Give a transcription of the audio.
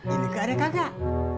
ini ke ada kagak